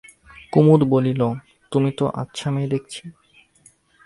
কুমুদ বলিল, তুমি তো আচ্ছা মেয়ে দেখছি।